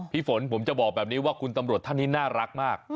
พี่ฝนผมจะบอกแบบนี้ว่าคุณตำรวจท่านนี้น่ารักมาก